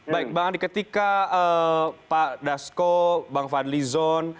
baik bang ketika pak dasko bang fadlizon